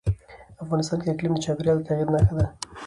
افغانستان کې اقلیم د چاپېریال د تغیر نښه ده.